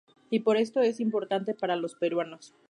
Y por esto es importante para los Peruanos.